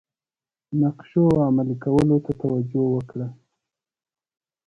نقشو عملي کولو ته توجه وکړه.